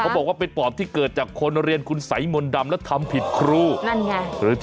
เขาบอกว่าเป็นปอบที่เกิดจากคนเรียนคุณสายมนตร์ดำและทำผิดครู